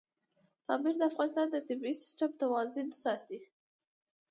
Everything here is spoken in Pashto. پامیر د افغانستان د طبعي سیسټم توازن ساتي.